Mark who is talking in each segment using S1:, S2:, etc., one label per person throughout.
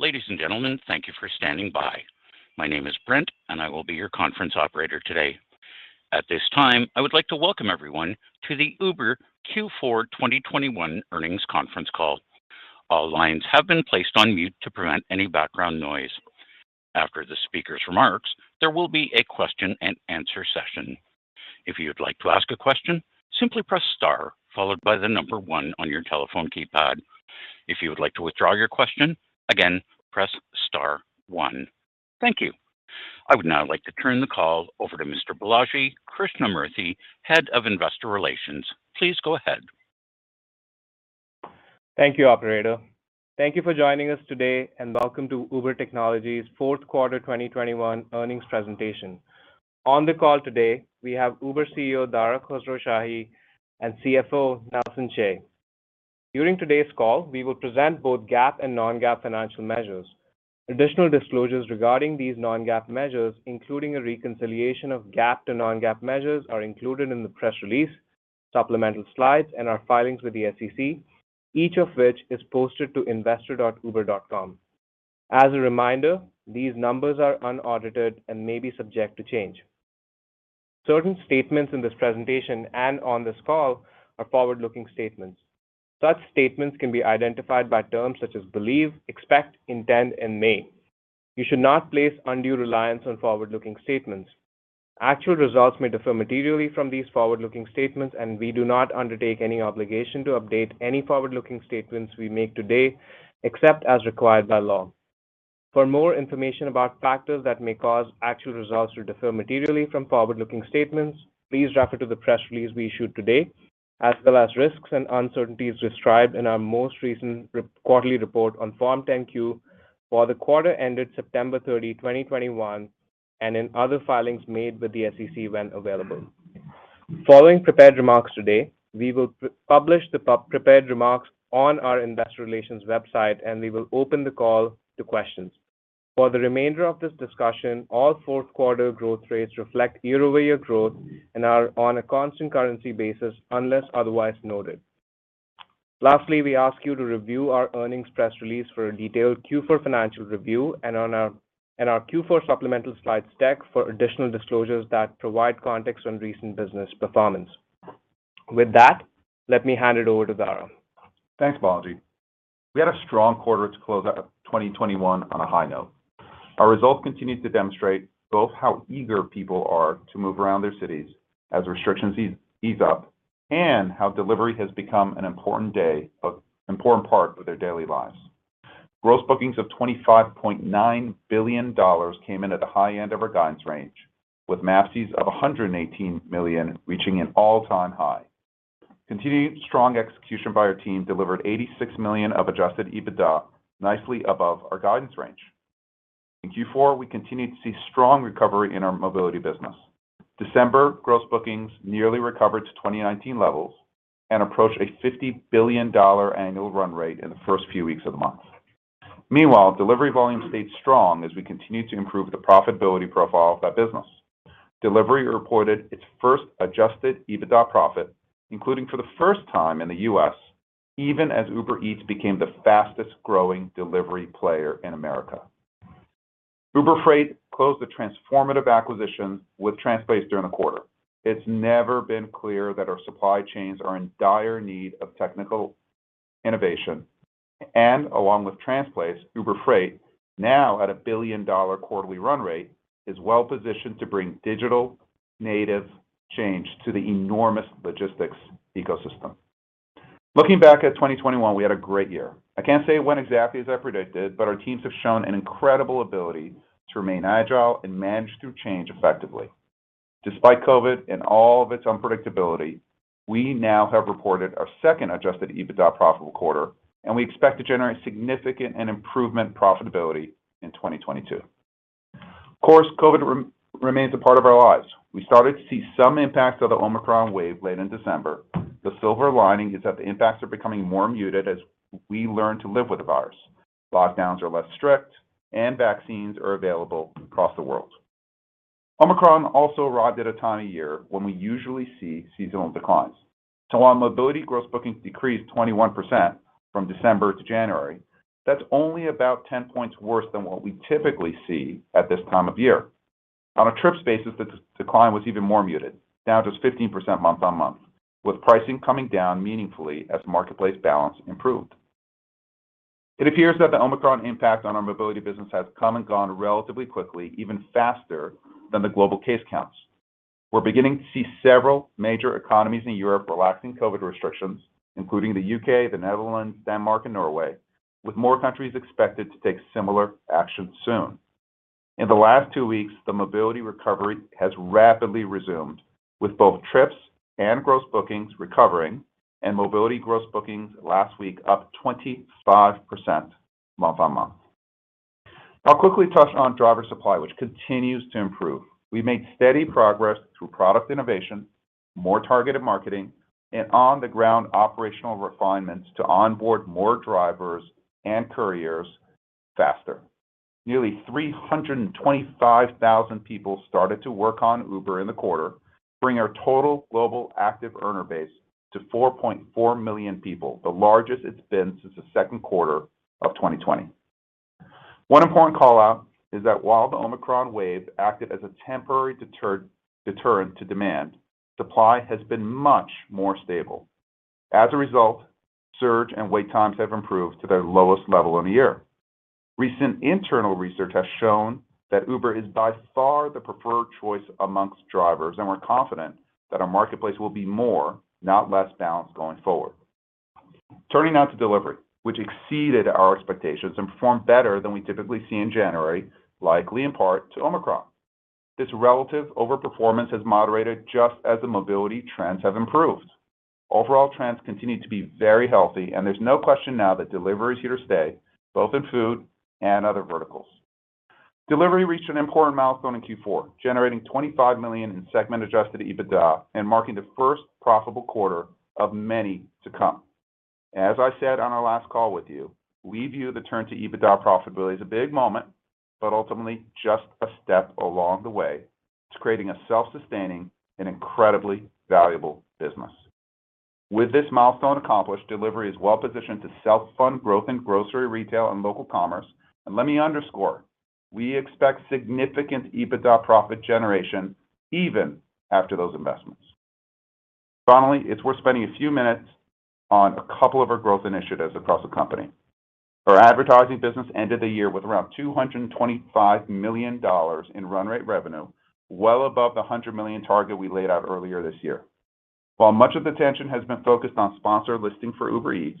S1: Ladies and gentlemen, thank you for standing by. My name is Brent, and I will be your conference operator today. At this time, I would like to welcome everyone to the Uber Q4 2021 Earnings Conference Call. All lines have been placed on mute to prevent any background noise. After the speaker's remarks, there will be a question-and-answer session. If you would like to ask a question, simply press star followed by the number one on your telephone keypad. If you would like to withdraw your question, again, press star one. Thank you. I would now like to turn the call over to Mr. Balaji Krishnamurthy, Head of Investor Relations. Please go ahead.
S2: Thank you, operator. Thank you for joining us today and welcome to Uber Technologies Fourth Quarter 2021 Earnings Presentation. On the call today we have Uber CEO, Dara Khosrowshahi, and CFO, Nelson Chai. During today's call, we will present both GAAP and non-GAAP financial measures. Additional disclosures regarding these non-GAAP measures, including a reconciliation of GAAP to non-GAAP measures, are included in the press release, supplemental slides, and our filings with the SEC, each of which is posted to investor.uber.com. As a reminder, these numbers are unaudited and may be subject to change. Certain statements in this presentation and on this call are forward-looking statements. Such statements can be identified by terms such as believe, expect, intend, and may. You should not place undue reliance on forward-looking statements. Actual results may differ materially from these forward-looking statements, and we do not undertake any obligation to update any forward-looking statements we make today, except as required by law. For more information about factors that may cause actual results to differ materially from forward-looking statements, please refer to the press release we issued today, as well as risks and uncertainties described in our most recent quarterly report on Form 10-Q for the quarter ended September 30, 2021 and in other filings made with the SEC when available. Following prepared remarks today, we will publish the prepared remarks on our investor relations website, and we will open the call to questions. For the remainder of this discussion, all fourth quarter growth rates reflect year-over-year growth and are on a constant currency basis unless otherwise noted. Lastly, we ask you to review our earnings press release for a detailed Q4 financial review and our Q4 supplemental slide deck for additional disclosures that provide context on recent business performance. With that, let me hand it over to Dara.
S3: Thanks, Balaji. We had a strong quarter to close out 2021 on a high note. Our results continued to demonstrate both how eager people are to move around their cities as restrictions ease up and how Delivery has become an important part of their daily lives. Gross bookings of $25.9 billion came in at the high end of our guidance range, with MAPCs of 118 million reaching an all-time high. Continued strong execution by our team delivered $86 million of adjusted EBITDA nicely above our guidance range. In Q4, we continued to see strong recovery in our Mobility business. December gross bookings nearly recovered to 2019 levels and approached a $50 billion annual run rate in the first few weeks of the month. Meanwhile, delivery volume stayed strong as we continued to improve the profitability profile of that business. Delivery reported its first adjusted EBITDA profit, including for the first time in the U.S., even as Uber Eats became the fastest growing delivery player in America. Uber Freight closed the transformative acquisition with Transplace during the quarter. It's never been clearer that our supply chains are in dire need of technical innovation. Along with Transplace, Uber Freight, now at a billion-dollar quarterly run rate, is well positioned to bring digital native change to the enormous logistics ecosystem. Looking back at 2021, we had a great year. I can't say it went exactly as I predicted, but our teams have shown an incredible ability to remain agile and manage through change effectively. Despite COVID and all of its unpredictability, we now have reported our second adjusted EBITDA profitable quarter, and we expect to generate significant improvement profitability in 2022. Of course, COVID remains a part of our lives. We started to see some impacts of the Omicron wave late in December. The silver lining is that the impacts are becoming more muted as we learn to live with the virus. Lockdowns are less strict, and vaccines are available across the world. Omicron also arrived at a time of year when we usually see seasonal declines. While Mobility gross bookings decreased 21% from December to January, that's only about 10 points worse than what we typically see at this time of year. On a trips basis, the decline was even more muted, down just 15% month-on-month, with pricing coming down meaningfully as marketplace balance improved. It appears that the Omicron impact on our Mobility business has come and gone relatively quickly, even faster than the global case counts. We're beginning to see several major economies in Europe relaxing COVID restrictions, including the U.K., the Netherlands, Denmark, and Norway, with more countries expected to take similar action soon. In the last two weeks, the mobility recovery has rapidly resumed, with both trips and gross bookings recovering and Mobility gross bookings last week up 25% month-on-month. I'll quickly touch on driver supply, which continues to improve. We made steady progress through product innovation, more targeted marketing, and on-the-ground operational refinements to onboard more drivers and couriers faster. Nearly 325,000 people started to work on Uber in the quarter, bringing our total global active earner base to 4.4 million people, the largest it's been since the second quarter of 2020. One important call-out is that while the Omicron wave acted as a temporary deterrent to demand, supply has been much more stable. As a result, surge and wait times have improved to their lowest level in a year. Recent internal research has shown that Uber is by far the preferred choice amongst drivers, and we're confident that our marketplace will be more, not less, balanced going forward. Turning now to Delivery, which exceeded our expectations and performed better than we typically see in January, likely in part to Omicron. This relative overperformance has moderated just as the mobility trends have improved. Overall trends continue to be very healthy, and there's no question now that Delivery is here to stay, both in food and other verticals. Delivery reached an important milestone in Q4, generating $25 million in segment-adjusted EBITDA and marking the first profitable quarter of many to come. As I said on our last call with you, we view the turn to EBITDA profitability as a big moment, but ultimately just a step along the way to creating a self-sustaining and incredibly valuable business. With this milestone accomplished, Delivery is well-positioned to self-fund growth in grocery, retail, and local commerce. Let me underscore, we expect significant EBITDA profit generation even after those investments. Finally, it's worth spending a few minutes on a couple of our growth initiatives across the company. Our advertising business ended the year with around $225 million in run rate revenue, well above the $100 million target we laid out earlier this year. While much of the attention has been focused on sponsored listing for Uber Eats,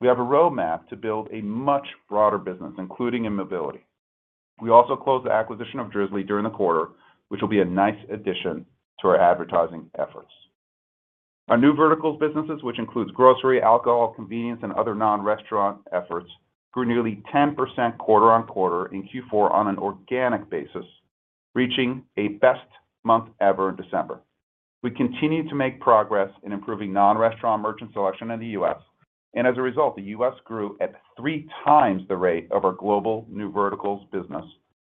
S3: we have a roadmap to build a much broader business, including in Mobility. We also closed the acquisition of Drizly during the quarter, which will be a nice addition to our advertising efforts. Our new verticals businesses, which includes grocery, alcohol, convenience, and other non-restaurant efforts, grew nearly 10% quarter-over-quarter in Q4 on an organic basis, reaching a best month ever in December. We continue to make progress in improving non-restaurant merchant selection in the U.S., and as a result, the U.S. grew at three times the rate of our global new verticals business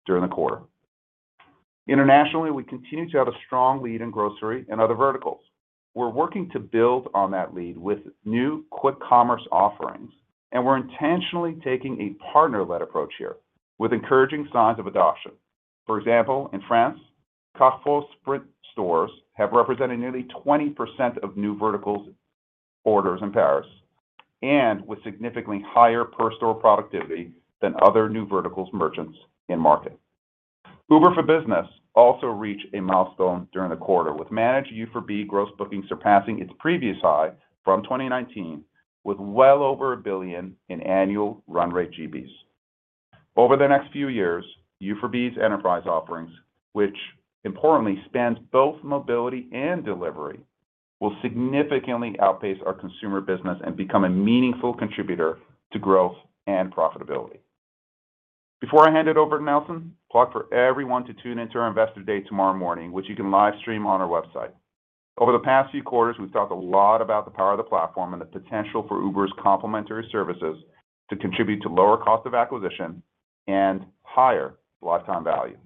S3: during the quarter. Internationally, we continue to have a strong lead in grocery and other verticals. We're working to build on that lead with new quick commerce offerings, and we're intentionally taking a partner-led approach here with encouraging signs of adoption. For example, in France, Carrefour Sprint stores have represented nearly 20% of new verticals orders in Paris and with significantly higher per-store productivity than other new verticals merchants in market. Uber for Business also reached a milestone during the quarter with managed U for B gross bookings surpassing its previous high from 2019 with well over $1 billion in annual run rate GBs. Over the next few years, U for B's enterprise offerings, which importantly spans both Mobility and Delivery, will significantly outpace our consumer business and become a meaningful contributor to growth and profitability. Before I hand it over to Nelson, plug for everyone to tune in to our Investor Day tomorrow morning, which you can live stream on our website. Over the past few quarters, we've talked a lot about the power of the platform and the potential for Uber's complementary services to contribute to lower cost of acquisition and higher lifetime value.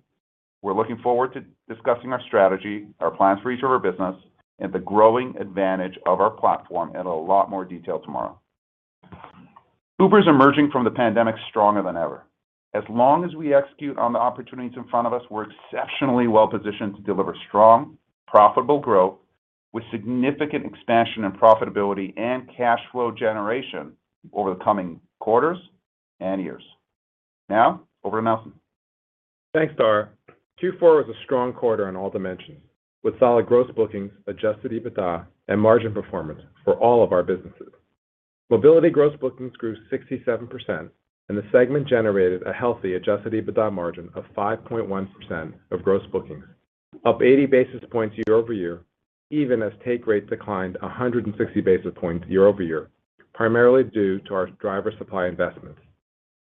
S3: We're looking forward to discussing our strategy, our plans for each of our business, and the growing advantage of our platform in a lot more detail tomorrow. Uber's emerging from the pandemic stronger than ever. As long as we execute on the opportunities in front of us, we're exceptionally well-positioned to deliver strong, profitable growth with significant expansion and profitability and cash flow generation over the coming quarters and years. Now, over to Nelson.
S4: Thanks, Dara. Q4 was a strong quarter on all dimensions, with solid gross bookings, adjusted EBITDA, and margin performance for all of our businesses. Mobility gross bookings grew 67%, and the segment generated a healthy adjusted EBITDA margin of 5.1% of gross bookings, up 80 basis points year-over-year, even as take rates declined 160 basis points year-over-year, primarily due to our driver supply investments.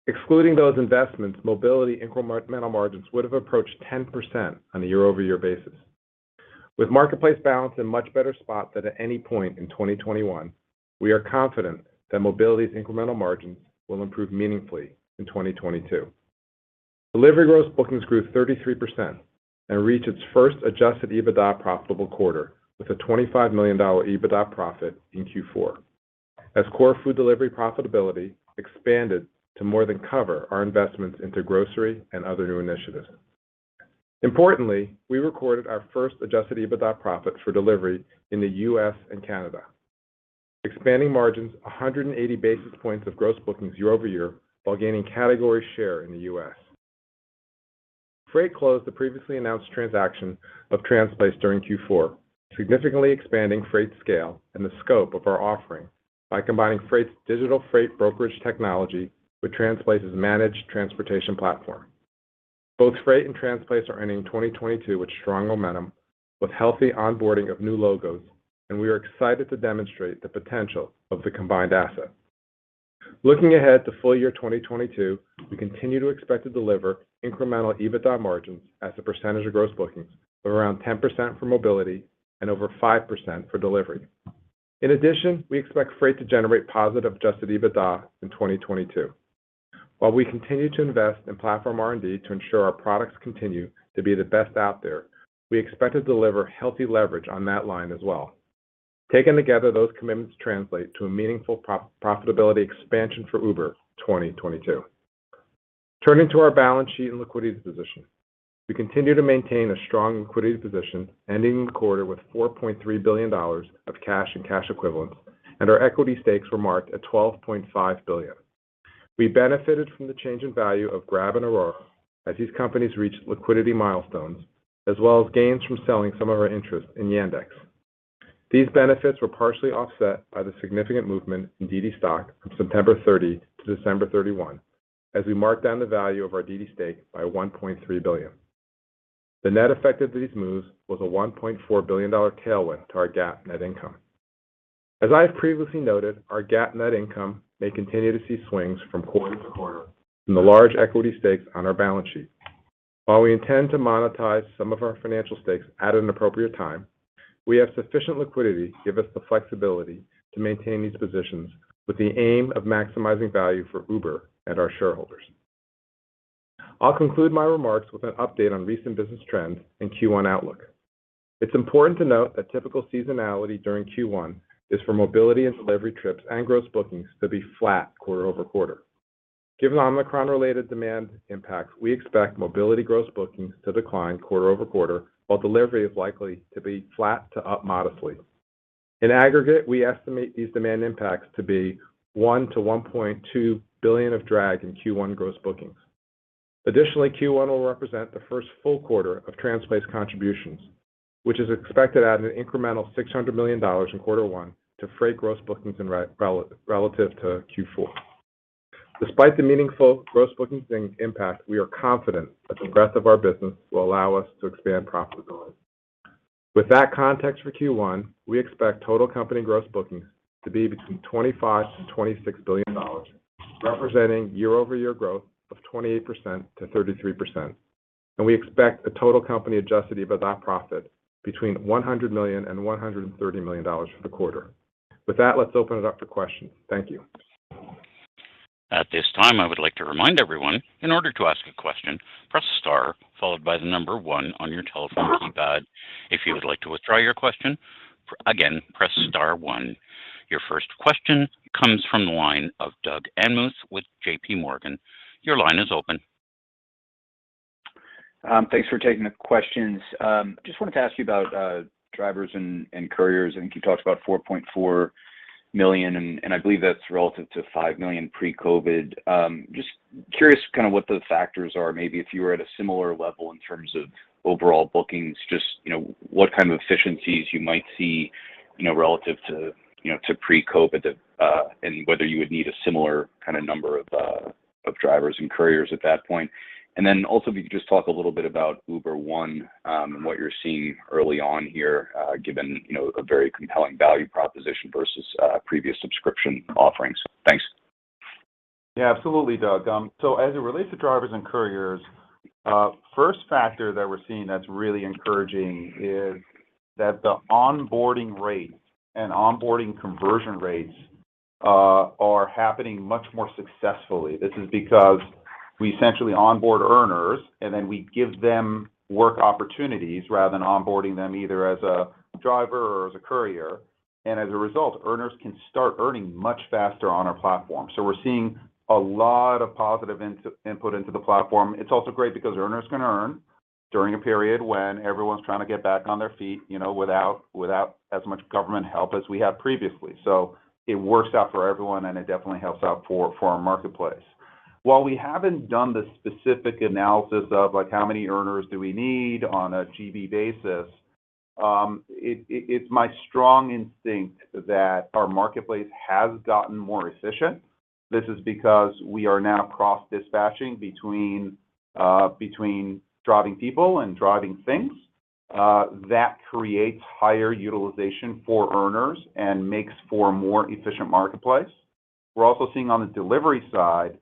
S4: Excluding those investments, Mobility incremental margins would have approached 10% on a year-over-year basis. With Marketplace balance in a much better spot than at any point in 2021, we are confident that Mobility's incremental margins will improve meaningfully in 2022. Delivery gross bookings grew 33% and reached its first adjusted EBITDA profitable quarter with a $25 million EBITDA profit in Q4 as core food delivery profitability expanded to more than cover our investments into grocery and other new initiatives. Importantly, we recorded our first adjusted EBITDA profit for Delivery in the U.S. and Canada, expanding margins 180 basis points of gross bookings year-over-year while gaining category share in the U.S. Freight closed the previously announced transaction of Transplace during Q4, significantly expanding Freight's scale and the scope of our offering by combining Freight's digital freight brokerage technology with Transplace's managed transportation platform. Both Freight and Transplace are ending 2022 with strong momentum, healthy onboarding of new logos, and we are excited to demonstrate the potential of the combined asset. Looking ahead to full year 2022, we continue to expect to deliver incremental EBITDA margins as a percentage of gross bookings of around 10% for Mobility and over 5% for Delivery. In addition, we expect Freight to generate positive adjusted EBITDA in 2022. While we continue to invest in platform R&D to ensure our products continue to be the best out there, we expect to deliver healthy leverage on that line as well. Taken together, those commitments translate to a meaningful path to profitability expansion for Uber 2022. Turning to our balance sheet and liquidity position. We continue to maintain a strong liquidity position, ending the quarter with $4.3 billion of cash and cash equivalents, and our equity stakes were marked at $12.5 billion. We benefited from the change in value of Grab and Aurora as these companies reached liquidity milestones, as well as gains from selling some of our interest in Yandex. These benefits were partially offset by the significant movement in Didi stock from September 30 to December 31 as we marked down the value of our Didi stake by $1.3 billion. The net effect of these moves was a $1.4 billion tailwind to our GAAP net income. As I have previously noted, our GAAP net income may continue to see swings from quarter-to-quarter from the large equity stakes on our balance sheet. While we intend to monetize some of our financial stakes at an appropriate time, we have sufficient liquidity to give us the flexibility to maintain these positions with the aim of maximizing value for Uber and our shareholders. I'll conclude my remarks with an update on recent business trends and Q1 outlook. It's important to note that typical seasonality during Q1 is for Mobility and Delivery trips and gross bookings to be flat quarter-over-quarter. Given Omicron-related demand impacts, we expect Mobility gross bookings to decline quarter-over-quarter, while Delivery is likely to be flat to up modestly. In aggregate, we estimate these demand impacts to be $1 billion-$1.2 billion of drag in Q1 gross bookings. Additionally, Q1 will represent the first full quarter of Transplace contributions, which is expected to add an incremental $600 million in quarter one to freight gross bookings relative to Q4. Despite the meaningful gross bookings impact, we are confident that the rest of our business will allow us to expand profitability. With that context for Q1, we expect total company gross bookings to be between $25 billion and $26 billion, representing year-over-year growth 28%-33%. We expect a total company adjusted EBITDA profit between $100 million and $130 million for the quarter. With that, let's open it up to questions. Thank you.
S1: At this time, I would like to remind everyone, in order to ask a question, press star followed by the number one on your telephone keypad. If you would like to withdraw your question, again, press star one. Your first question comes from the line of Doug Anmuth with J.P. Morgan. Your line is open.
S5: Thanks for taking the questions. Just wanted to ask you about drivers and couriers. I think you talked about 4.4 million, and I believe that's relative to 5 million pre-COVID. Just curious kind of what the factors are, maybe if you were at a similar level in terms of overall bookings, just, you know, what kind of efficiencies you might see, you know, relative to, you know, to pre-COVID, and whether you would need a similar kind of number of drivers and couriers at that point. Then also, if you could just talk a little bit about Uber One, and what you're seeing early on here, given, you know, a very compelling value proposition versus previous subscription offerings. Thanks.
S3: Yeah, absolutely, Doug. As it relates to drivers and couriers, first factor that we're seeing that's really encouraging is that the onboarding rates and onboarding conversion rates are happening much more successfully. This is because we essentially onboard earners, and then we give them work opportunities rather than onboarding them either as a driver or as a courier. As a result, earners can start earning much faster on our platform. We're seeing a lot of positive input into the platform. It's also great because earners can earn during a period when everyone's trying to get back on their feet, you know, without as much government help as we had previously. It works out for everyone, and it definitely helps out for our marketplace. While we haven't done the specific analysis of, like, how many earners do we need on a GB basis, it's my strong instinct that our marketplace has gotten more efficient. This is because we are now cross-dispatching between driving people and driving things. That creates higher utilization for earners and makes for a more efficient marketplace. We're also seeing on the Delivery side,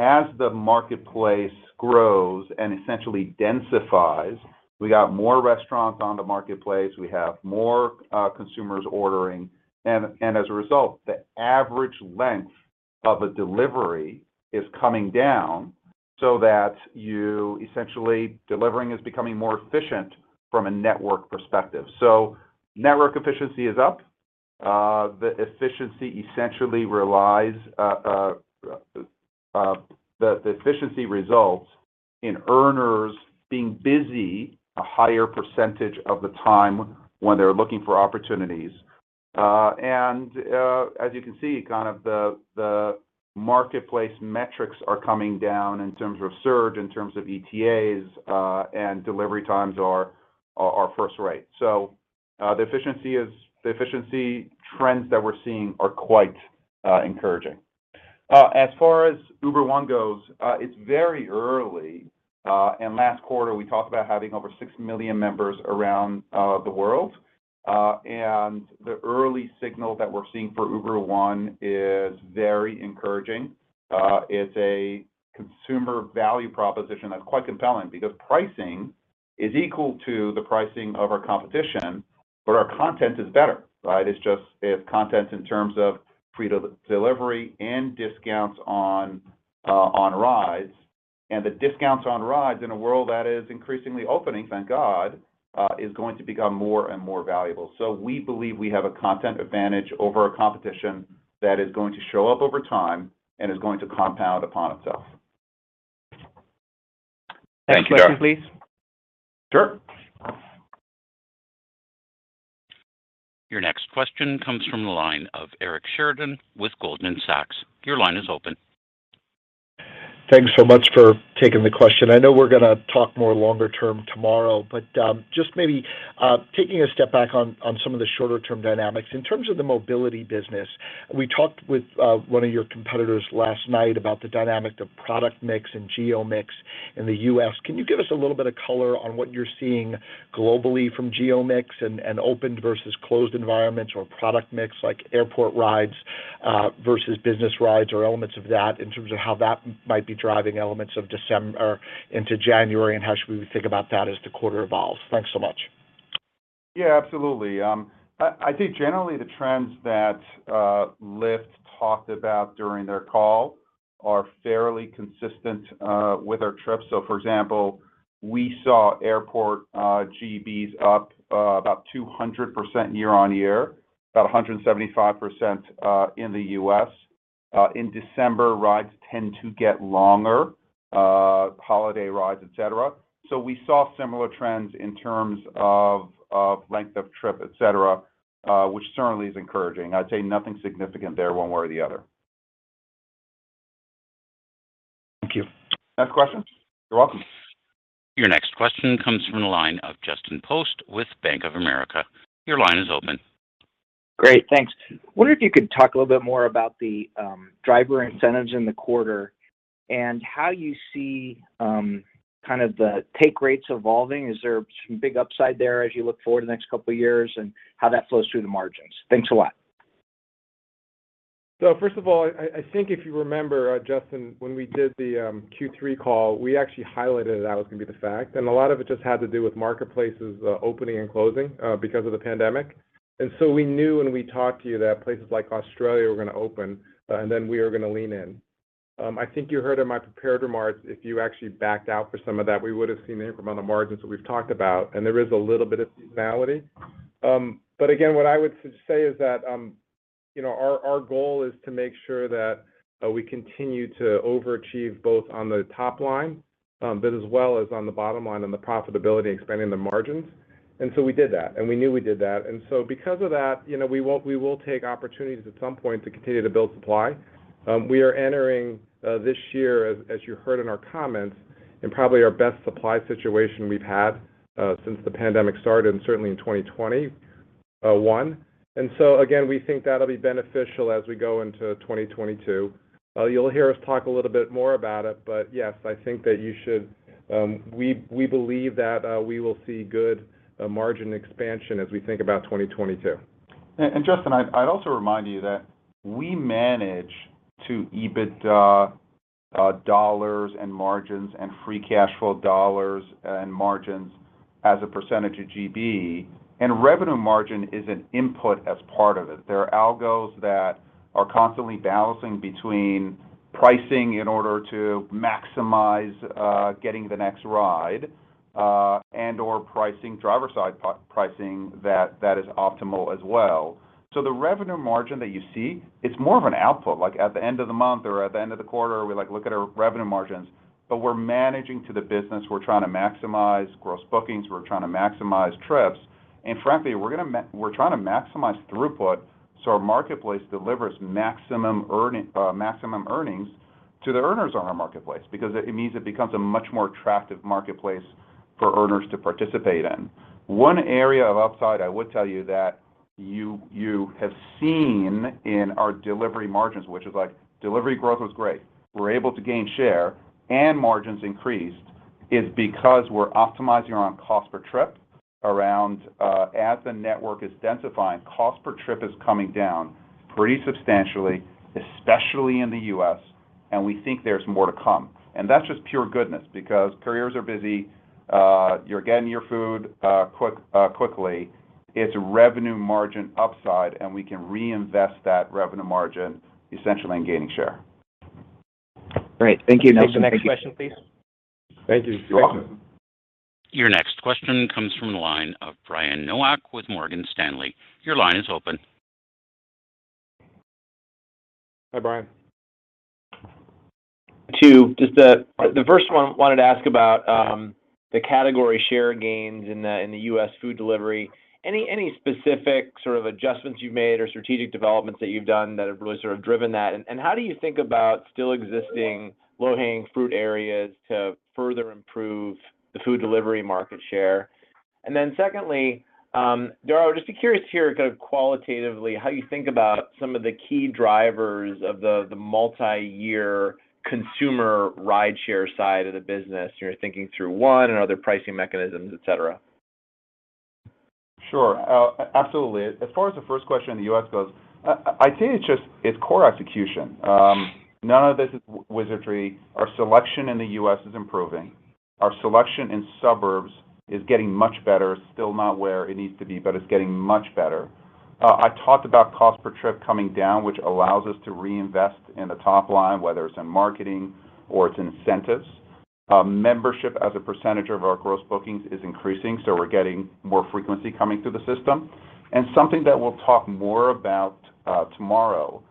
S3: as the marketplace grows and essentially densifies, we got more restaurants on the marketplace, we have more consumers ordering, and as a result, the average length of a delivery is coming down so that essentially delivering is becoming more efficient from a network perspective. Network efficiency is up. The efficiency results in earners being busy a higher percentage of the time when they're looking for opportunities. As you can see, kind of the marketplace metrics are coming down in terms of surge, in terms of ETAs, and delivery times are first rate. The efficiency trends that we're seeing are quite encouraging. As far as Uber One goes, it's very early. Last quarter, we talked about having over six million members around the world. The early signal that we're seeing for Uber One is very encouraging. It's a consumer value proposition that's quite compelling because pricing is equal to the pricing of our competition, but our content is better, right? It's just content in terms of free delivery and discounts on rides. The discounts on rides in a world that is increasingly opening, thank God, is going to become more and more valuable. We believe we have a content advantage over our competition that is going to show up over time and is going to compound upon itself.
S5: Thank you.
S2: Next question, please.
S3: Sure.
S1: Your next question comes from the line of Eric Sheridan with Goldman Sachs. Your line is open.
S6: Thanks so much for taking the question. I know we're gonna talk more longer term tomorrow, but just maybe taking a step back on some of the shorter term dynamics. In terms of the Mobility business, we talked with one of your competitors last night about the dynamic of product mix and geo mix in the U.S. Can you give us a little bit of color on what you're seeing globally from geo mix and open versus closed environments or product mix like airport rides versus business rides or elements of that in terms of how that might be driving elements of December or into January, and how should we think about that as the quarter evolves? Thanks so much.
S3: Yeah, absolutely. I think generally the trends that Lyft talked about during their call are fairly consistent with our trips. For example, we saw airport GBs up about 200% year-over-year, about 175% in the U.S. In December, rides tend to get longer, holiday rides, etc. We saw similar trends in terms of length of trip, etc., which certainly is encouraging. I'd say nothing significant there one way or the other.
S6: Thank you.
S2: Next question.
S3: You're welcome.
S1: Your next question comes from the line of Justin Post with Bank of America. Your line is open.
S7: Great, thanks. I wonder if you could talk a little bit more about the driver incentives in the quarter and how you see kind of the take rates evolving. Is there some big upside there as you look forward the next couple of years, and how that flows through the margins? Thanks a lot.
S4: First of all, I think if you remember, Justin, when we did the Q3 call, we actually highlighted that was gonna be the case, and a lot of it just had to do with marketplaces opening and closing because of the pandemic. We knew when we talked to you that places like Australia were gonna open, and then we were gonna lean in. I think you heard in my prepared remarks, if you actually backed out for some of that, we would have seen the improvement on the margins that we've talked about, and there is a little bit of seasonality. Again, what I would say is that, you know, our goal is to make sure that we continue to overachieve both on the top line, but as well as on the bottom line on the profitability and expanding the margins. We did that, and we knew we did that. Because of that, you know, we will take opportunities at some point to continue to build supply. We are entering this year as you heard in our comments, in probably our best supply situation we've had since the pandemic started, and certainly in 2021. Again, we think that'll be beneficial as we go into 2022. You'll hear us talk a little bit more about it, but yes, I think that you should we believe that we will see good margin expansion as we think about 2022. Justin, I'd also remind you that we manage to EBITDA dollars and margins and free cash flow dollars and margins as a percentage of GB, and revenue margin is an input as part of it. There are algos that are constantly balancing between pricing in order to maximize getting the next ride and/or pricing driver's side pricing that is optimal as well. The revenue margin that you see, it's more of an output, like at the end of the month or at the end of the quarter, we like look at our revenue margins, but we're managing to the business. We're trying to maximize gross bookings. We're trying to maximize trips. Frankly, we're trying to maximize throughput, so our marketplace delivers maximum earnings to the earners on our marketplace because it means it becomes a much more attractive marketplace for earners to participate in. One area of upside I would tell you that you have seen in our Delivery margins, which is like Delivery growth was great. We're able to gain share and margins increased, is because we're optimizing around cost per trip, around, as the network is densifying, cost per trip is coming down pretty substantially, especially in the U.S., and we think there's more to come. That's just pure goodness because couriers are busy. You're getting your food quick, quickly. It's revenue margin upside, and we can reinvest that revenue margin essentially in gaining share.
S7: Great. Thank you.
S2: Next question, please.
S3: Thank you. You're welcome.
S1: Your next question comes from the line of Brian Nowak with Morgan Stanley. Your line is open.
S3: Hi, Brian.
S8: Two, just the first one wanted to ask about the category share gains in the U.S. food delivery. Any specific sort of adjustments you've made or strategic developments that you've done that have really sort of driven that? And how do you think about still existing low-hanging fruit areas to further improve the food delivery market share? And then secondly, Dara, I'm just curious here kind of qualitatively how you think about some of the key drivers of the multi-year consumer rideshare side of the business. You're thinking through one and other pricing mechanisms, etc.
S3: Sure. Absolutely. As far as the first question in the U.S. goes, I'd say it's just, it's core execution. None of this is wizardry. Our selection in the U.S. is improving. Our selection in suburbs is getting much better. Still not where it needs to be, but it's getting much better. I talked about cost per trip coming down, which allows us to reinvest in the top line, whether it's in marketing or it's incentives. Membership as a percentage of our gross bookings is increasing, so we're getting more frequency coming through the system. Something that we'll talk more about tomorrow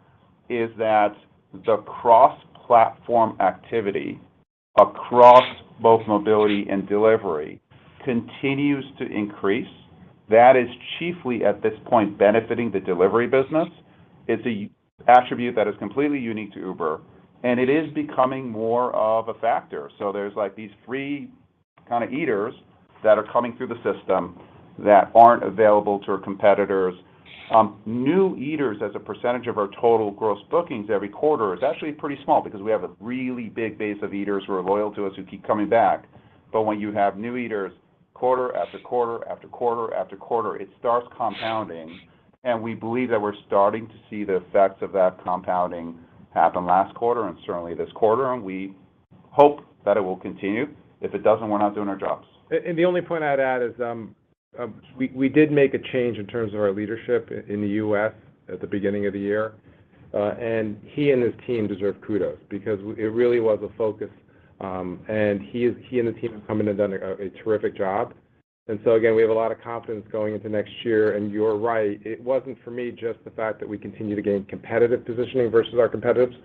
S3: is that the cross-platform activity across both Mobility and Delivery continues to increase. That is chiefly, at this point, benefiting the Delivery business. It's an attribute that is completely unique to Uber, and it is becoming more of a factor. There's, like, these free kind of eaters that are coming through the system that aren't available to our competitors. New eaters as a percentage of our total gross bookings every quarter is actually pretty small because we have a really big base of eaters who are loyal to us, who keep coming back. When you have new eaters quarter after quarter after quarter after quarter, it starts compounding. We believe that we're starting to see the effects of that compounding happen last quarter and certainly this quarter, and we hope that it will continue. If it doesn't, we're not doing our jobs. The only point I'd add is, we did make a change in terms of our leadership in the U.S. at the beginning of the year, and he and his team deserve kudos because it really was a focus. He and the team have come in and done a terrific job. We have a lot of confidence going into next year. You're right, it wasn't for me just the fact that we continue to gain competitive positioning versus our competitors,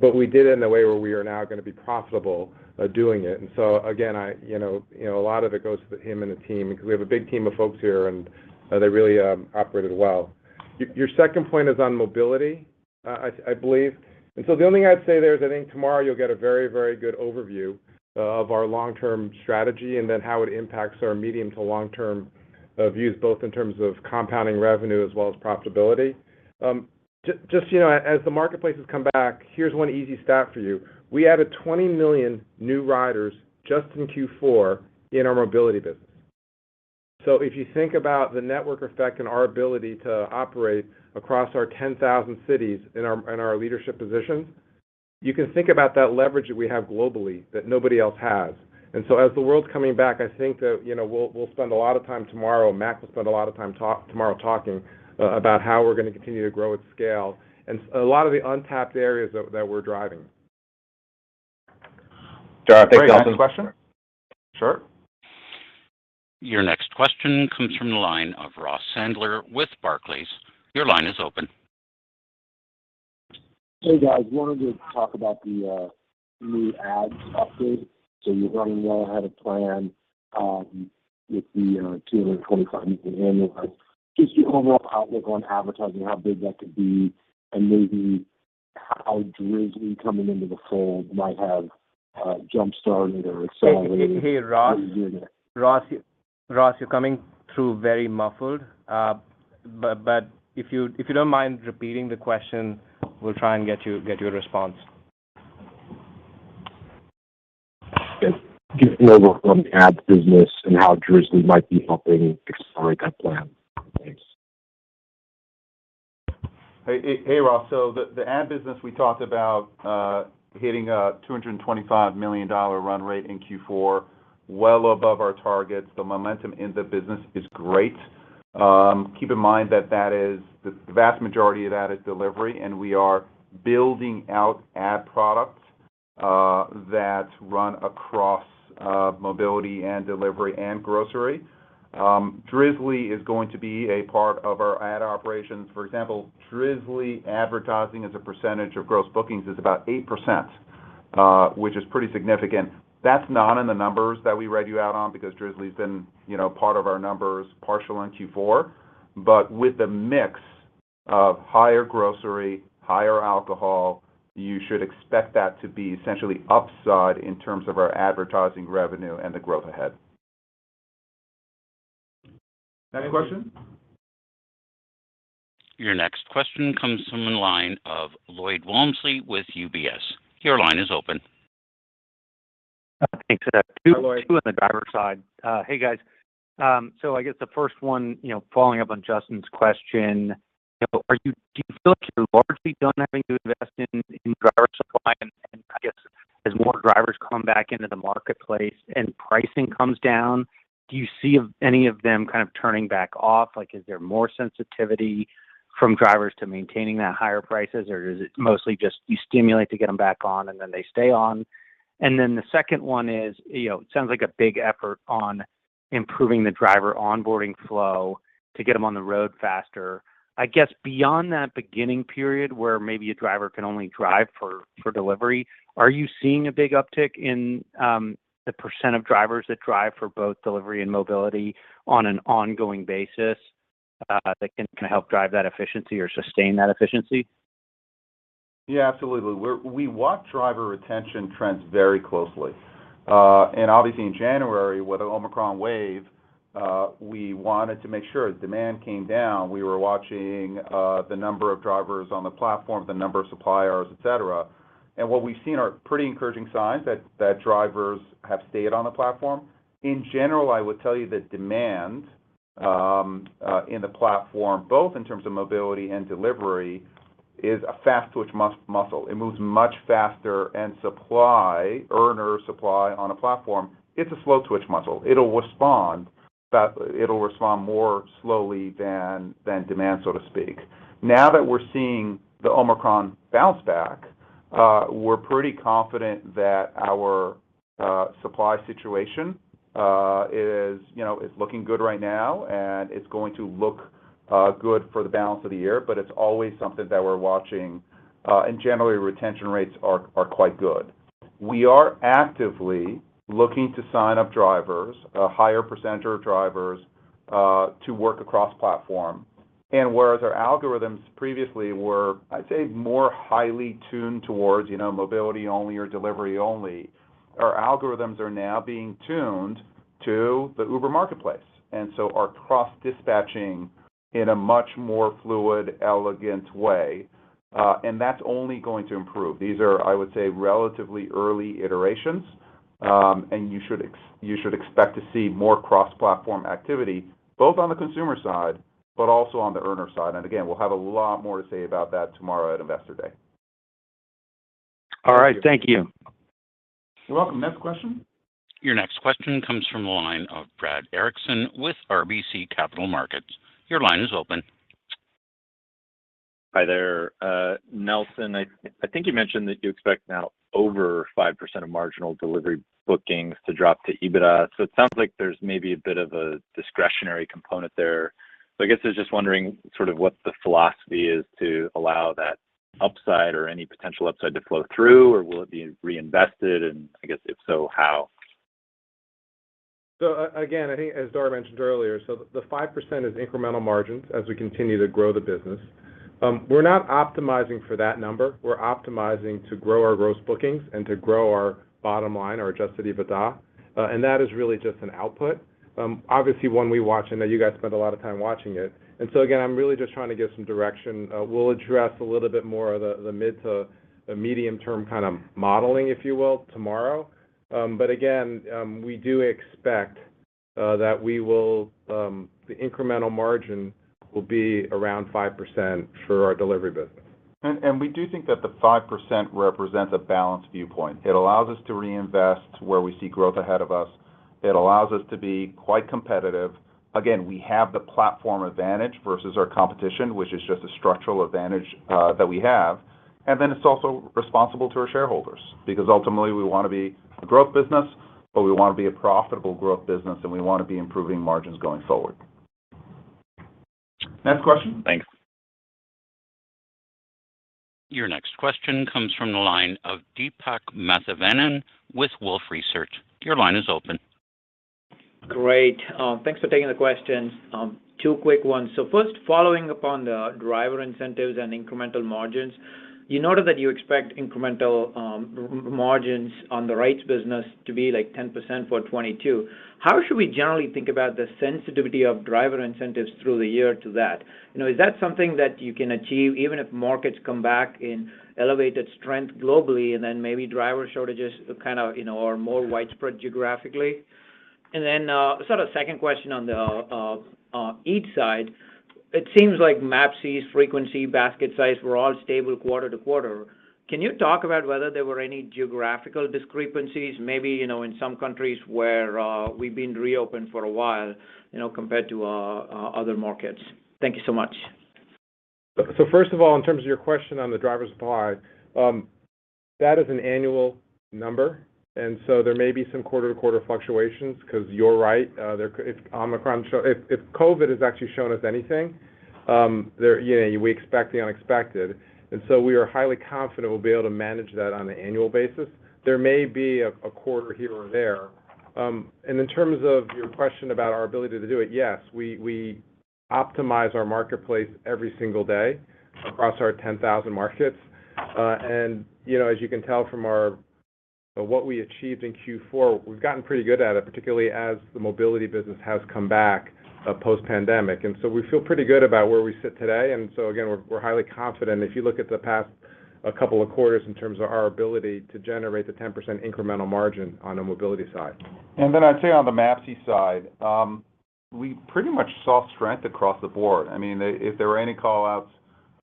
S3: but we did it in a way where we are now gonna be profitable doing it. You know, a lot of it goes to him and the team because we have a big team of folks here, and they really operated well. Your second point is on Mobility, I believe. The only thing I'd say there is I think tomorrow you'll get a very, very good overview of our long-term strategy and then how it impacts our medium to long-term views, both in terms of compounding revenue as well as profitability. Just so you know, as the marketplace has come back, here's one easy stat for you. We added 20 million new riders just in Q4 in our Mobility business. If you think about the network effect and our ability to operate across our 10,000 cities in our leadership positions, you can think about that leverage that we have globally that nobody else has. As the world's coming back, I think that, you know, we'll spend a lot of time tomorrow, and Mac will spend a lot of time tomorrow talking about how we're gonna continue to grow at scale and a lot of the untapped areas that we're driving.
S8: Dara, thanks.
S2: Great. Next question?
S3: Sure.
S1: Your next question comes from the line of Ross Sandler with Barclays. Your line is open.
S9: Hey, guys. I wanted to talk about the new ads upgrade. You're running well ahead of plan with the $225 million annual run. Just your overall outlook on advertising, how big that could be, and maybe how Drizly coming into the fold might have jump-started or accelerated-
S2: Hey, Ross. You're coming through very muffled. If you don't mind repeating the question, we'll try and get you a response.
S9: Just give an overview on the ads business and how Drizly might be helping accelerate that plan. Thanks.
S3: Hey, Ross. The ad business we talked about hitting a $225 million run rate in Q4, well above our targets. The momentum in the business is great. Keep in mind that is the vast majority of that is Delivery, and we are building out ad products that run across Mobility and Delivery and grocery. Drizly is going to be a part of our ad operations. For example, Drizly advertising as a percentage of gross bookings is about 8%, which is pretty significant. That's not in the numbers that we read you out on because Drizly's been, you know, part of our numbers partial in Q4. With the mix of higher grocery, higher alcohol, you should expect that to be essentially upside in terms of our advertising revenue and the growth ahead. Next question.
S1: Your next question comes from the line of Lloyd Walmsley with UBS. Your line is open.
S10: Thanks, Dara.
S3: Hi, Lloyd.
S10: Two on the driver side. Hey, guys. I guess the first one, you know, following up on Justin's question, you know, do you feel like you're largely done having to invest in driver supply? I guess as more drivers come back into the marketplace and pricing comes down, do you see any of them kind of turning back off? Like, is there more sensitivity from drivers to maintaining that higher prices, or is it mostly just you stimulate to get them back on, and then they stay on? The second one is, you know, it sounds like a big effort on improving the driver onboarding flow to get them on the road faster. I guess beyond that beginning period where maybe a driver can only drive for delivery, are you seeing a big uptick in the percent of drivers that drive for both Delivery and Mobility on an ongoing basis that can help drive that efficiency or sustain that efficiency?
S3: Yeah, absolutely. We watch driver retention trends very closely. Obviously in January, with the Omicron wave, we wanted to make sure as demand came down, we were watching the number of drivers on the platform, the number of suppliers, etc. What we've seen are pretty encouraging signs that drivers have stayed on the platform. In general, I would tell you that demand in the platform, both in terms of Mobility and Delivery, is a fast-twitch muscle. It moves much faster than supply, earner supply on a platform, it's a slow-twitch muscle. It'll respond, but it'll respond more slowly than demand, so to speak. Now that we're seeing the Omicron bounce back, we're pretty confident that our supply situation is, you know, looking good right now, and it's going to look good for the balance of the year, but it's always something that we're watching. Generally, retention rates are quite good. We are actively looking to sign up drivers, a higher percentage of drivers, to work across platform. Whereas our algorithms previously were, I'd say, more highly tuned towards, you know, Mobility only or Delivery only, our algorithms are now being tuned to the Uber marketplace, and so are cross-dispatching in a much more fluid, elegant way, and that's only going to improve. These are, I would say, relatively early iterations, and you should expect to see more cross-platform activity, both on the consumer side, but also on the earner side. Again, we'll have a lot more to say about that tomorrow at Investor Day.
S10: All right. Thank you.
S2: You're welcome. Next question.
S1: Your next question comes from the line of Brad Erickson with RBC Capital Markets. Your line is open.
S11: Hi there. Nelson, I think you mentioned that you expect now over 5% of marginal delivery bookings to drop to EBITDA, so it sounds like there's maybe a bit of a discretionary component there. I guess I was just wondering sort of what the philosophy is to allow that upside or any potential upside to flow through, or will it be reinvested, and I guess, if so, how?
S4: Again, I think as Dara mentioned earlier, the 5% is incremental margins as we continue to grow the business. We're not optimizing for that number. We're optimizing to grow our gross bookings and to grow our bottom line, our adjusted EBITDA, and that is really just an output. Obviously one we watch, and that you guys spend a lot of time watching it. I'm really just trying to give some direction. We'll address a little bit more of the mid to the medium term kind of modeling, if you will, tomorrow. But again, we do expect that we will, the incremental margin will be around 5% for our Delivery business.
S3: And we do think that the 5% represents a balanced viewpoint. It allows us to reinvest where we see growth ahead of us. It allows us to be quite competitive. Again, we have the platform advantage versus our competition, which is just a structural advantage, that we have. It's also responsible to our shareholders because ultimately we wanna be a growth business, but we wanna be a profitable growth business, and we wanna be improving margins going forward. Next question.
S11: Thanks.
S1: Your next question comes from the line of Deepak Mathivanan with Wolfe Research. Your line is open.
S12: Great. Thanks for taking the questions. Two quick ones. First, following up on the driver incentives and incremental margins, you noted that you expect incremental margins on the rides business to be, like, 10% for 2022. How should we generally think about the sensitivity of driver incentives through the year to that? You know, is that something that you can achieve even if mobility comes back in elevated strength globally and then maybe driver shortages kind of, you know, are more widespread geographically? Sort of second question on the Eats side. It seems like MAPCs, frequency, basket size were all stable quarter to quarter. Can you talk about whether there were any geographical discrepancies, maybe, you know, in some countries where we've been reopened for a while, you know, compared to other markets? Thank you so much.
S3: First of all, in terms of your question on the driver supply, that is an annual number, and there may be some quarter-to-quarter fluctuations 'cause you're right. If COVID has actually shown us anything, you know, we expect the unexpected. We are highly confident we'll be able to manage that on an annual basis. There may be a quarter here or there. In terms of your question about our ability to do it, yes, we optimize our marketplace every single day across our 10,000 markets. You know, as you can tell from what we achieved in Q4, we've gotten pretty good at it, particularly as the Mobility business has come back post-pandemic. We feel pretty good about where we sit today. Again, we're highly confident if you look at the past couple of quarters in terms of our ability to generate the 10% incremental margin on the Mobility side. I'd say on the MAPC side, we pretty much saw strength across the board. I mean, if there were any call-outs,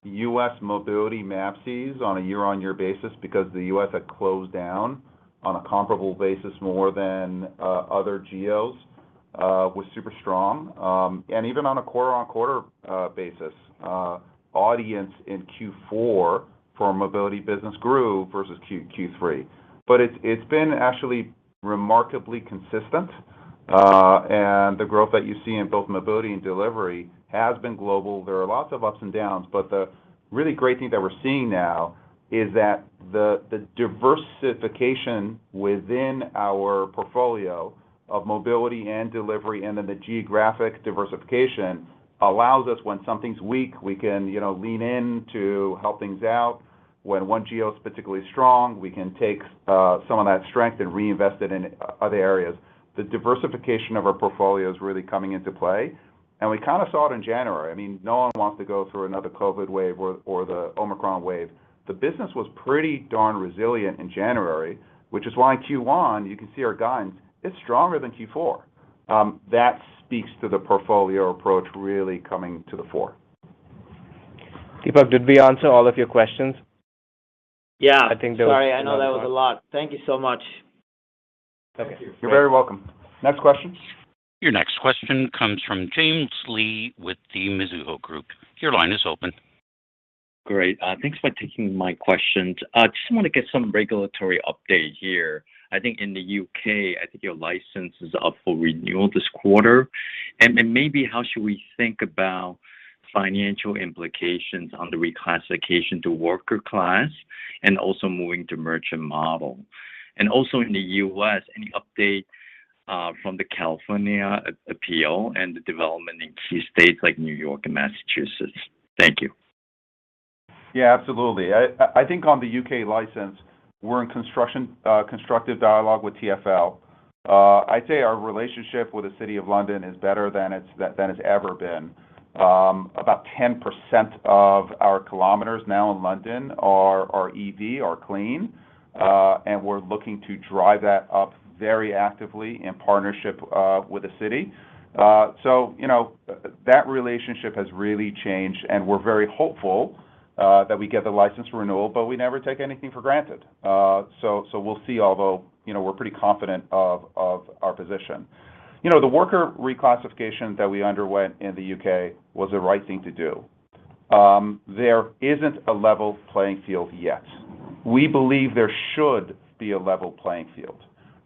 S3: U.S. mobility MAPCs on a year-over-year basis because the U.S. had closed down on a comparable basis more than other geos was super strong. Even on a quarter-over-quarter basis, audience in Q4 for our Mobility business grew versus Q3. It's been actually remarkably consistent, and the growth that you see in both Mobility and Delivery has been global. There are lots of ups and downs, but the really great thing that we're seeing now is that the diversification within our portfolio of Mobility and Delivery and then the geographic diversification allows us, when something's weak, we can, you know, lean in to help things out. When one geo is particularly strong, we can take some of that strength and reinvest it in other areas. The diversification of our portfolio is really coming into play. We kind of saw it in January. I mean, no one wants to go through another COVID wave or the Omicron wave. The business was pretty darn resilient in January, which is why Q1, you can see our guidance, it's stronger than Q4. That speaks to the portfolio approach really coming to the fore.
S2: Deepak, did we answer all of your questions?
S12: Yeah.
S2: I think there was. Sorry, I know that was a lot. Thank you so much. Thank you.
S3: You're very welcome. Next question.
S1: Your next question comes from James Lee with the Mizuho Group. Your line is open.
S13: Great. Thanks for taking my questions. Just wanna get some regulatory update here. I think in the U.K., I think your license is up for renewal this quarter. Maybe how should we think about financial implications on the reclassification to worker class and also moving to merchant model? Also in the U.S. update from the California appeal and the development in key states like New York and Massachusetts? Thank you.
S3: Yeah, absolutely. I think on the U.K. license, we're in constructive dialogue with TfL. I'd say our relationship with the City of London is better than it's ever been. About 10% of our kilometers now in London are EV, are clean, and we're looking to drive that up very actively in partnership with the city. You know, that relationship has really changed, and we're very hopeful that we get the license renewal, but we never take anything for granted. We'll see, although, you know, we're pretty confident of our position. You know, the worker reclassification that we underwent in the U.K. was the right thing to do. There isn't a level playing field yet. We believe there should be a level playing field.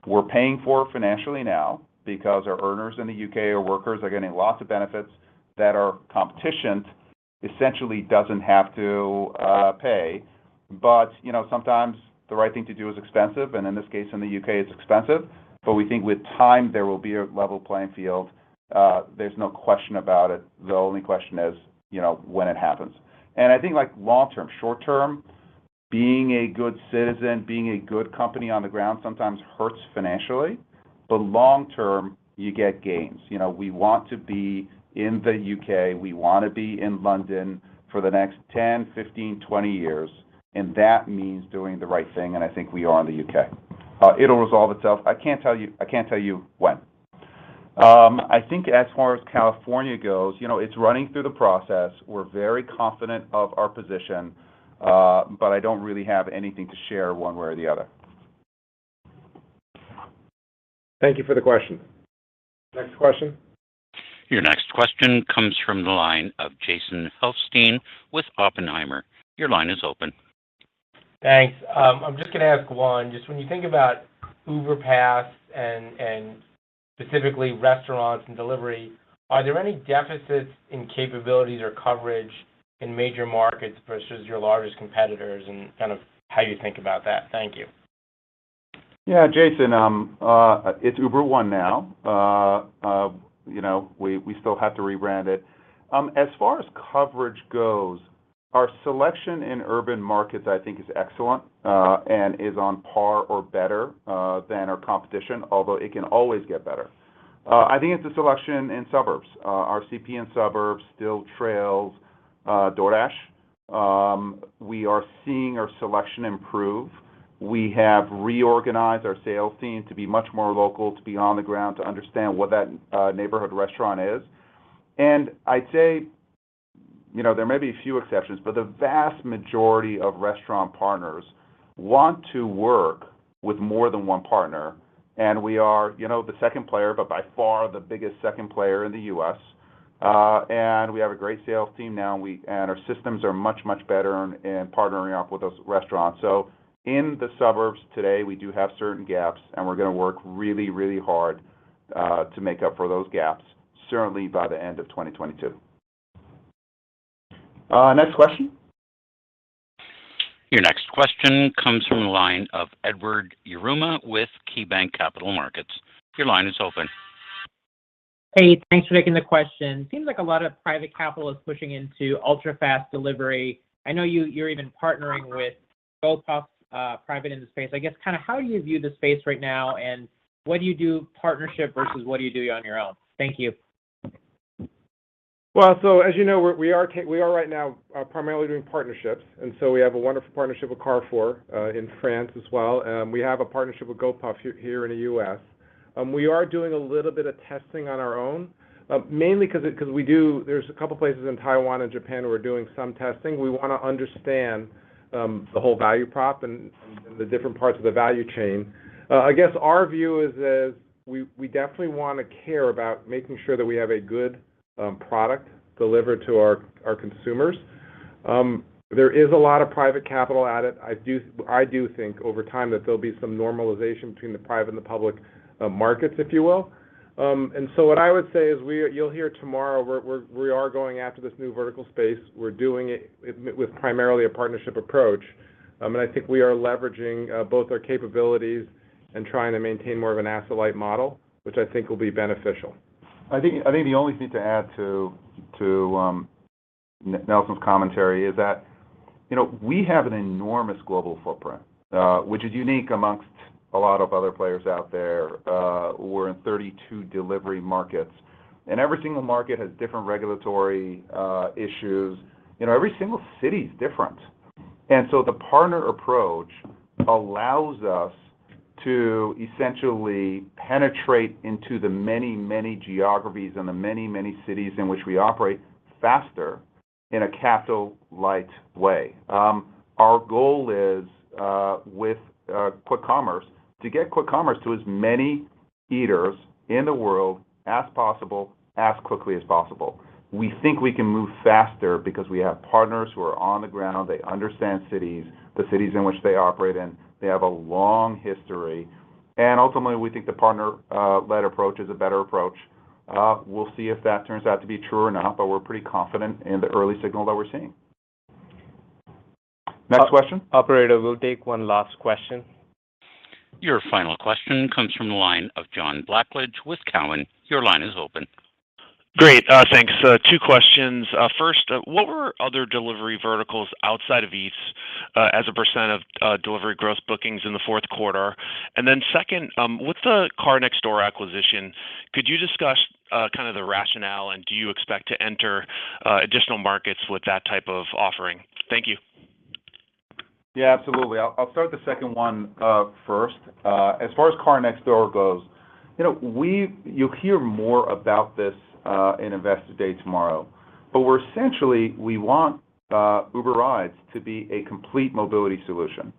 S3: We're paying for it financially now because our earners in the U.K., workers, are getting lots of benefits that our competition essentially doesn't have to pay. You know, sometimes the right thing to do is expensive, and in this case, in the U.K., it's expensive. We think with time, there will be a level playing field. There's no question about it. The only question is, you know, when it happens. I think like long term, short term, being a good citizen, being a good company on the ground sometimes hurts financially. Long term, you get gains. You know, we want to be in the U.K., we wanna be in London for the next 10, 15, 20 years, and that means doing the right thing, and I think we are in the U.K. It'll resolve itself. I can't tell you when. I think as far as California goes, you know, it's running through the process. We're very confident of our position, but I don't really have anything to share one way or the other.
S2: Thank you for the question. Next question.
S1: Your next question comes from the line of Jason Helfstein with Oppenheimer. Your line is open.
S14: Thanks. I'm just gonna ask one. Just when you think about Uber Pass and specifically restaurants and delivery, are there any deficits in capabilities or coverage in major markets versus your largest competitors and kind of how you think about that? Thank you.
S3: Yeah, Jason, it's Uber One now. You know, we still have to rebrand it. As far as coverage goes, our selection in urban markets I think is excellent, and is on par or better than our competition, although it can always get better. I think it's the selection in suburbs. Our CP in suburbs still trails DoorDash. We are seeing our selection improve. We have reorganized our sales team to be much more local, to be on the ground, to understand what that neighborhood restaurant is. I'd say, you know, there may be a few exceptions, but the vast majority of restaurant partners want to work with more than one partner, and we are, you know, the second player, but by far the biggest second player in the U.S. We have a great sales team now, and our systems are much, much better in partnering up with those restaurants. In the suburbs today, we do have certain gaps, and we're gonna work really, really hard to make up for those gaps, certainly by the end of 2022.
S2: Next question.
S1: Your next question comes from the line of Edward Yruma with KeyBanc Capital Markets. Your line is open.
S15: Hey, thanks for taking the question. Seems like a lot of private capital is pushing into ultra-fast delivery. I know you're even partnering with Gopuff, private in the space. I guess kind of how you view the space right now, and what do you do partnership versus what do you do on your own? Thank you.
S4: Well, as you know, we are right now primarily doing partnerships. We have a wonderful partnership with Carrefour in France as well, and we have a partnership with Gopuff here in the U.S. We are doing a little bit of testing on our own, mainly 'cause there's a couple places in Taiwan and Japan where we're doing some testing. We wanna understand the whole value prop and the different parts of the value chain. I guess our view is we definitely wanna care about making sure that we have a good product delivered to our consumers. There is a lot of private capital at it. I do think over time that there'll be some normalization between the private and the public markets, if you will. What I would say is you'll hear tomorrow, we are going after this new vertical space. We're doing it with primarily a partnership approach. I think we are leveraging both our capabilities and trying to maintain more of an asset-light model, which I think will be beneficial.
S3: I think the only thing to add to Nelson's commentary is that, you know, we have an enormous global footprint, which is unique among a lot of other players out there. We're in 32 delivery markets, and every single market has different regulatory issues. You know, every single city is different. The partner approach allows us to essentially penetrate into the many, many geographies and the many, many cities in which we operate faster in a capital light way. Our goal is with quick commerce to get quick commerce to as many eaters in the world as possible, as quickly as possible. We think we can move faster because we have partners who are on the ground. They understand cities, the cities in which they operate in. They have a long history. Ultimately, we think the partner led approach is a better approach. We'll see if that turns out to be true or not, but we're pretty confident in the early signals that we're seeing. Next question.
S2: Operator, we'll take one last question.
S1: Your final question comes from the line of John Blackledge with Cowen. Your line is open.
S16: Great. Two questions. First, what were other Delivery verticals outside of Eats, as a percent of Delivery gross bookings in the fourth quarter? Second, with the Car Next Door acquisition, could you discuss kind of the rationale, and do you expect to enter additional markets with that type of offering? Thank you.
S3: Yeah, absolutely. I'll start the second one first. As far as Car Next Door goes, you know, you'll hear more about this in Investor Day tomorrow. We want Uber Rides to be a complete mobility solution.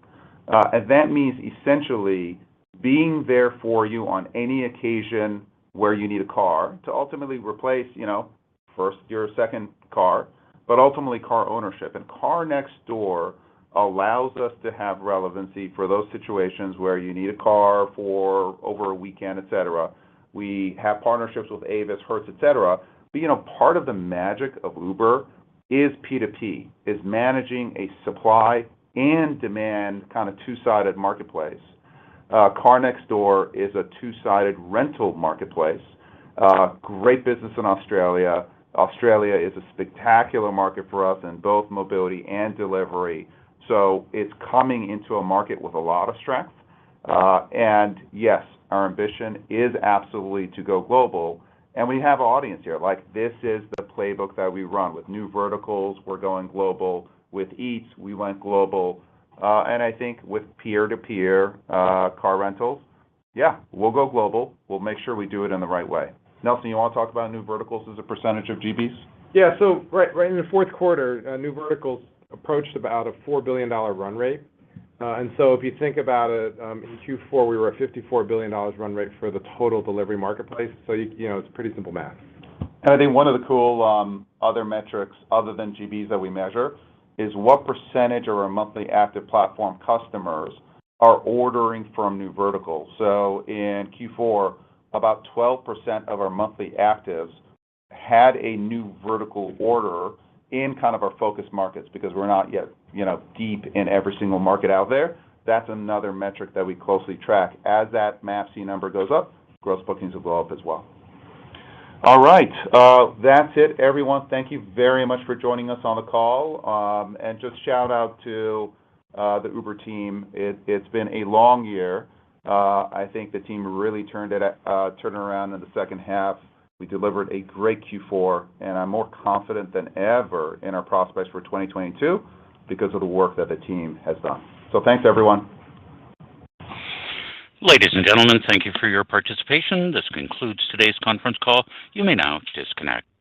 S3: That means essentially being there for you on any occasion where you need a car to ultimately replace, you know, first your second car, but ultimately car ownership. Car Next Door allows us to have relevancy for those situations where you need a car for over a weekend, etc. We have partnerships with Avis, Hertz, etc. You know, part of the magic of Uber is P2P, is managing a supply and demand kind of two-sided marketplace. Car Next Door is a two-sided rental marketplace. Great business in Australia. Australia is a spectacular market for us in both Mobility and Delivery. It's coming into a market with a lot of strength. Yes, our ambition is absolutely to go global. We have audience here. Like, this is the playbook that we run. With new verticals, we're going global. With Eats, we went global. I think with peer-to-peer car rentals, yeah, we'll go global. We'll make sure we do it in the right way. Nelson, you want to talk about new verticals as a percentage of GBs?
S4: Yeah, right in the fourth quarter, new verticals approached about a $4 billion run rate. If you think about it, in Q4, we were at $54 billion run rate for the total delivery marketplace. You know, it's pretty simple math.
S3: I think one of the cool other metrics other than GBs that we measure is what percentage of our monthly active platform customers are ordering from new verticals. In Q4, about 12% of our monthly actives had a new vertical order in kind of our focus markets because we're not yet, you know, deep in every single market out there. That's another metric that we closely track. As that MAPC number goes up, gross bookings will go up as well. All right. That's it, everyone. Thank you very much for joining us on the call. And just shout out to the Uber team. It's been a long year. I think the team really turned it around in the second half. We delivered a great Q4, and I'm more confident than ever in our prospects for 2022 because of the work that the team has done. Thanks, everyone.
S1: Ladies and gentlemen, thank you for your participation. This concludes today's conference call. You may now disconnect.